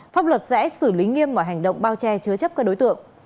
pháp luật sẽ xử lý nghiêm mọi hành động bao che chứa chấp các đối tượng